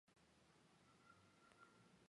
明朝政治人物。